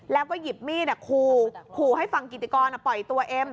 แล้วก็หยิบมีดขู่ขู่ให้ฝั่งกิติกรปล่อยตัวเอ็ม